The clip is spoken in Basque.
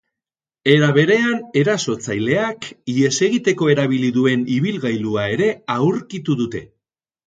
Era berean, erasotzaileak ihes egiteko erabili duen ibilgailua ere aurkitu dute.